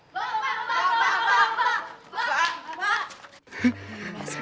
bapak bapak bapak bapak bapak